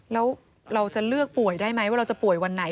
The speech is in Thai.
แล้วเราจะเลือกป่วยได้ไหมว่าเราจะป่วยวันไหน